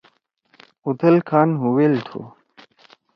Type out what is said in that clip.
اُوتھل کھان ہُویل تُھو